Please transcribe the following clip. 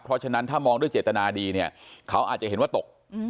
เพราะฉะนั้นถ้ามองด้วยเจตนาดีเนี่ยเขาอาจจะเห็นว่าตก